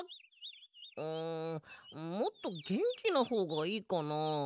うんもっとげんきなほうがいいかな？